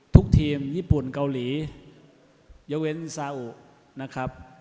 ทีมญี่ปุ่นเกาหลีเยเวนซาอุนะครับ